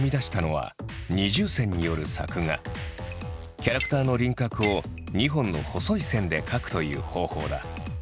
キャラクターの輪郭を２本の細い線で描くという方法だ。